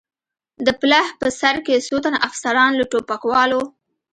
د پله په سر کې څو تنه افسران، له ټوپکوالو.